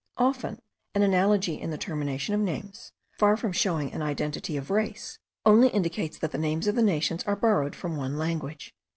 Often an analogy in the termination of names, far from showing an identity of race, only indicates that the names of the nations are borrowed from one language.)